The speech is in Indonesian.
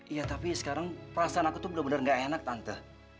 iya tapi sekarang perasaan aku tuh benar benar nggak enak tante